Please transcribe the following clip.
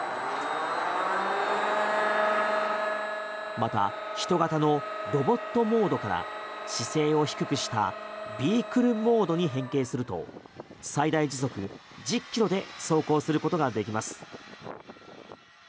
また、人型のロボットモードから姿勢を低くしたビークルモードに変形すると最大時速１０ｋｍで走行することができます。